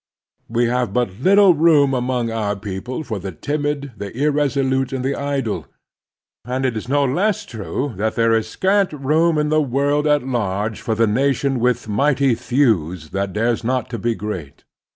We have but little room among our people for the timid, the irresolute, and the idle ; and it is no less true that there is scant room in the world at large for the nation with mighty thews that dares not to be great.